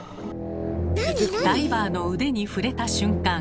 ダイバーの腕に触れた瞬間。